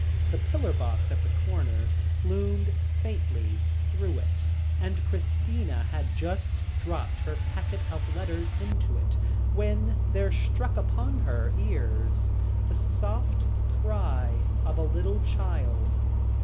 The pillar box at the corner loomed faintly through it, and Christina had just dropped her packet of letters into it, when there struck upon her ears the soft cry of a little child.